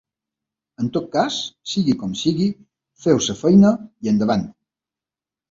En tot cas, sigui com sigui, feu la feina i endavant.